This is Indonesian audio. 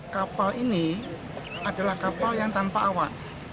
kapal ini adalah kapal yang tanpa awak